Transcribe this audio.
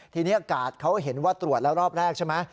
ทีนี้กาดเขาเห็นว่าตรวจแล้วรอบแรกใช่ไหม